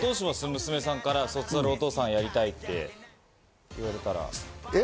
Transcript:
娘さんから卒アルお父さんやりたいって言われたら。